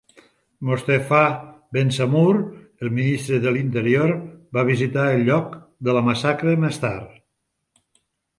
Mostefa Bensamour, el ministre de l'Interior, va visitar el lloc de la massacre més tard.